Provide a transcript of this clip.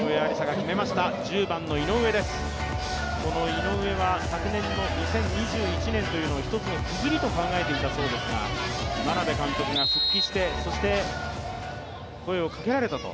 井上は昨年の２０２１年というのを一つの区切りと考えていたそうですが眞鍋監督が復帰して、声をかけられたと。